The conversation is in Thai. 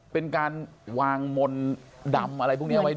เป็นการวางมนต์ดำอะไรพวกนี้เอาไว้